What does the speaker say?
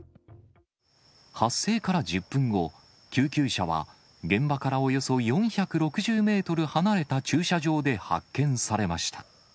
発生から１０分後、救急車は現場からおよそ４６０メートル離れた駐車場で発見されました。